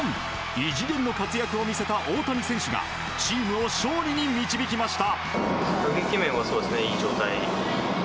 異次元の活躍を見せた大谷選手がチームを勝利に導きました！